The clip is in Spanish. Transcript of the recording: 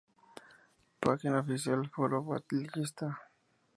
Página oficial Foro Batllista